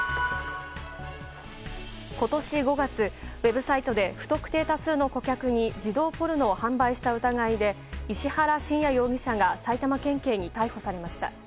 今年５月、ウェブサイトで不特定多数の顧客に児童ポルノを販売した疑いで石原新也容疑者が埼玉県警に逮捕されました。